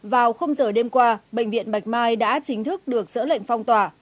vào giờ đêm qua bệnh viện bạch mai đã chính thức được dỡ lệnh phong tỏa